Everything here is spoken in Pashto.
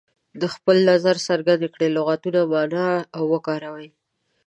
د خپل نظر څرګند کړئ لغتونه معنا او وکاروي.